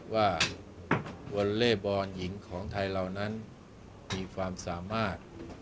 ว่าวอลเล่บอลหญิงของไทยเหล่านั้นมีความสามารถ